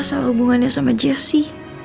sama hubungannya sama jesse